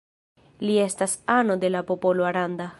Li estas ano de la popolo Aranda.